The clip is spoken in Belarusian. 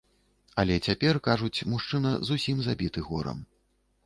Але цяпер, кажуць, мужчына зусім забіты горам.